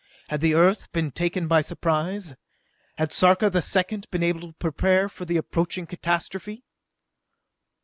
Had the Earth been taken by surprise? Had Sarka the Second been able to prepare for the approaching catastrophe?